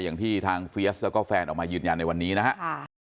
อย่างที่ทางเฟียสแล้วก็แฟนออกมายืนยันในวันนี้นะครับ